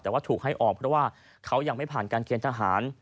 แต่ว่าถูกให้ออกเพราะว่าเขายังไม่ผ่านการเกณฑ์ทหาร